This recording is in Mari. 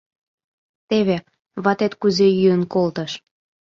— Теве, ватет кузе йӱын колтыш!